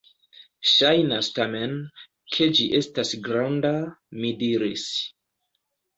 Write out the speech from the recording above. Ŝajnas tamen, ke ĝi estas granda, mi diris.